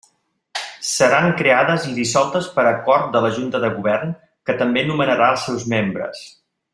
Seran creades i dissoltes per acord de la Junta de Govern, que també nomenarà els seus membres.